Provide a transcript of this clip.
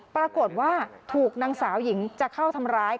ปรากฏว่าถูกนางสาวหญิงจะเข้าทำร้าย